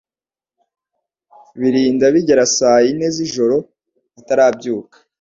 birinda bigera saa yine zijoro atarabyuka